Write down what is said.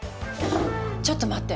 ちょっと待って！